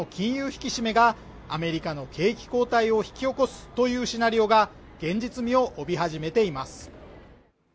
引き締めがアメリカの景気後退を引き起こすというシナリオが現実味を帯び始めています